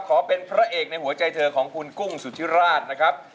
ขอเป็นพระเอกในหัวใจเธอของคุณกุ้งสุธิราชนะครับ